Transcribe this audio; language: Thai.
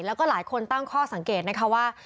แล้วก็หลายคนตั้งข้อสังเกตนะคะว่า